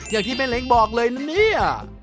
อย่างที่แม่เล้งบอกเลยนะเนี่ย